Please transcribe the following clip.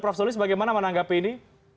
prof sulis bagaimana menanggapi ini